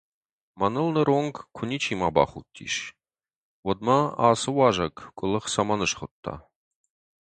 Мӕныл ныронг куы ничи ма бахудтис, уӕд мӕ ацы уазӕг къуылых цӕмӕн схуыдта?